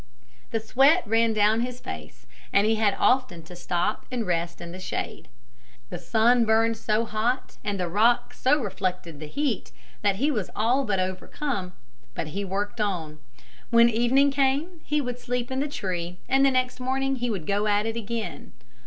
The sweat ran down his face and he had often to stop and rest in the shade. The sun burned so hot and the rock so reflected the heat that he was all but overcome. But he worked on. When evening came, he would sleep in the tree and next morning he would go at it again.